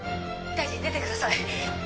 「大臣出てください。